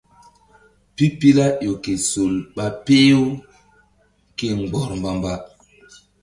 Pipila ƴo ke sol ɓa peh-u ke mgbɔr mba-mba.